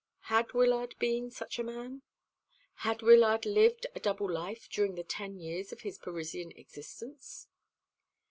Had Wyllard been such a man? Had Wyllard lived a double life during the ten years of his Parisian existence?